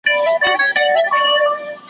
مونږ به د وطن د ازادۍ سندرې وایو